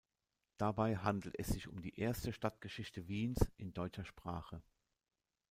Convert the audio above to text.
Dabei handelt es sich um die erste Stadtgeschichte Wiens in deutscher Sprache.